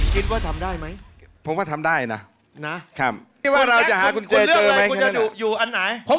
คิดว่าทำได้ไหม